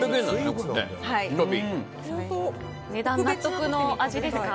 お値段、納得の味ですか？